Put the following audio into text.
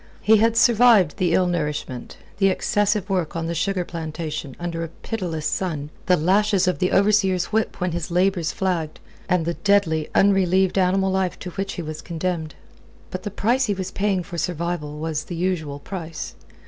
He had survived the ill nourishment, the excessive work on the sugar plantation under a pitiless sun, the lashes of the overseer's whip when his labours flagged, and the deadly, unrelieved animal life to which he was condemned. But the price he was paying for survival was the usual price.